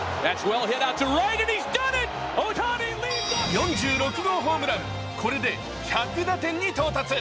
４６号ホームラン、これで１００打点に到達。